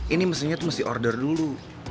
ini mesinnya tuh mesti order dulu